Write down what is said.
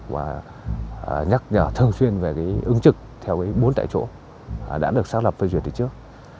và nhắc nhở thường xuyên về cái ứng trực theo bốn tại chỗ đã được xác lập phê duyệt từ trước